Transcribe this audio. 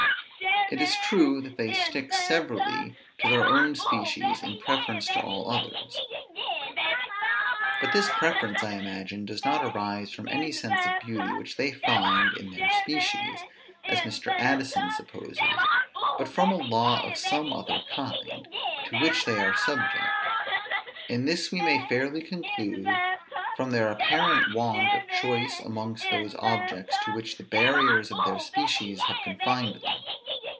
It is true, that they stick severally to their own species in preference to all others. But this preference, I imagine, does not arise from any sense of beauty which they find in their species, as Mr. Addison supposes, but from a law of some other kind, to which they are subject; and this we may fairly conclude, from their apparent want of choice amongst those objects to which the barriers of their species have confined them.